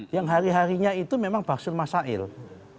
yang hari harinya itu memang bahas masalah